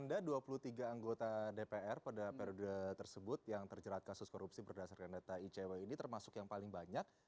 anda dua puluh tiga anggota dpr pada periode tersebut yang terjerat kasus korupsi berdasarkan data icw ini termasuk yang paling banyak